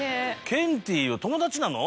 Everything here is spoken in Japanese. ケンティーは友達なの？